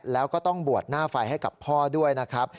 แล้วก็ต้องบวชหน้าไฟให้กับพ่อด้วยนะครับ